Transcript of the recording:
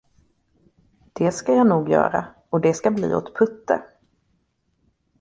Det skall jag nog göra, och det skall bli åt Putte.